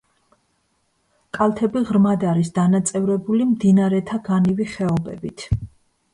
კალთები ღრმად არის დანაწევრებული მდინარეთა განივი ხეობებით.